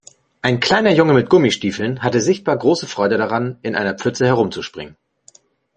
Ein kleiner Junge mit Gummistiefeln hatte sichtbar große Freude daran, in einer Pfütze herumzuspringen.